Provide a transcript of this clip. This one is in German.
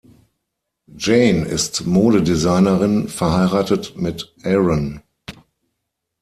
Jane ist Modedesignerin, verheiratet mit Aaron.